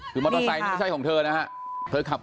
คือมอเตอร์ไซน์นี่ก็ใช่ของเธอนะฮะ